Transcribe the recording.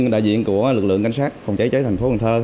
đại diện của lực lượng cảnh sát phòng cháy cháy thành phố cần thơ